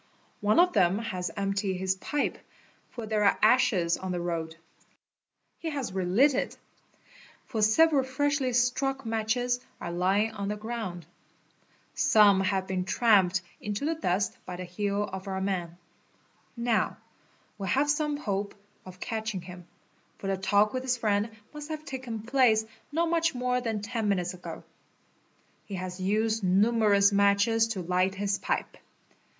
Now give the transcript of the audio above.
One of then has emptied his pipe, for there are ashes on the road; he has relit it, fo : several freshly struck matches are lying on the ground. Some have bee el tramped into the dust by the heel of our man. Now, we have som hope of catching him, for the talk with his friend must have taken plael not much more than 10 minutes ago. He has used numerous matches t a * OBSERVATION 487 ' light his pipe.